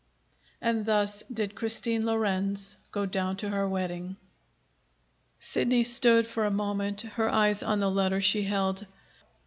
And thus did Christine Lorenz go down to her wedding. Sidney stood for a moment, her eyes on the letter she held.